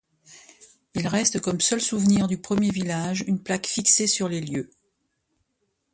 Il reste comme seul souvenir du premier village une plaque fixée sur les lieux.